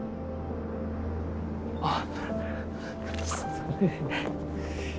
あっ。